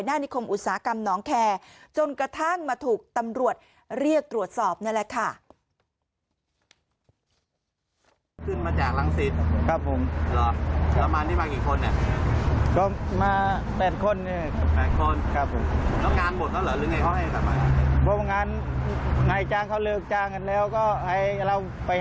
นิคมอุตสาหกรรมน้องแคร์จนกระทั่งมาถูกตำรวจเรียกตรวจสอบนี่แหละค่ะ